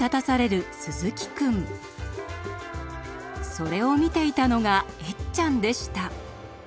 それを見ていたのがエッちゃんでした。